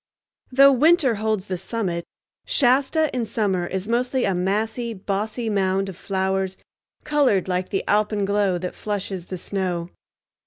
Though winter holds the summit, Shasta in summer is mostly a massy, bossy mound of flowers colored like the alpenglow that flushes the snow.